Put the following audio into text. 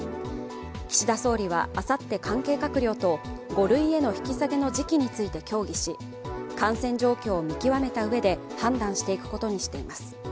岸田総理は、あさって関係閣僚と５類への引き下げの時期について協議し、感染状況を見極めたうえで判断していくことにしています。